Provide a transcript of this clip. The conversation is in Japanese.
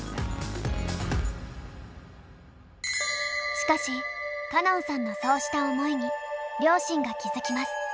しかし歌音さんのそうした思いに両親が気付きます。